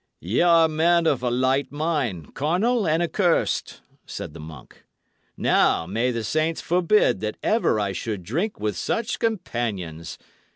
"Y' are men of a light mind, carnal, and accursed," said the monk. "Now, may the saints forbid that ever I should drink with such companions!